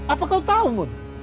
apa kau tahu mun